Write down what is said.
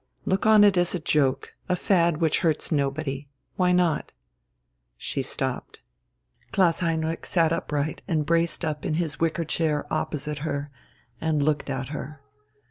Look on it as a joke ... a fad which hurts nobody.... Why not?" She stopped. Klaus Heinrich sat upright and braced up in his wicker chair opposite her and looked at her.